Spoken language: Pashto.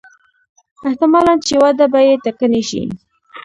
احتمالاً چې وده به یې ټکنۍ شي.